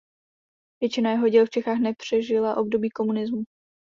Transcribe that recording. Většina jeho děl v Čechách nepřežila období komunismu.